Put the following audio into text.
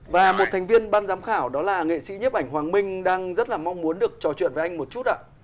và một thành viên ban giám khảo đó là nghệ sĩ nhiếp ảnh hoàng minh đang rất là mong muốn được trò chuyện với anh một chút ạ